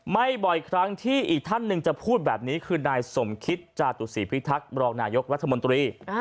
บ่อยครั้งที่อีกท่านหนึ่งจะพูดแบบนี้คือนายสมคิตจาตุศีพิทักษ์รองนายกรัฐมนตรี